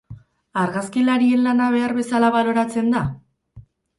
Argazkilarien lana behar bezala baloratzen da?